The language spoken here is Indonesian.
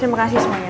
terima kasih semuanya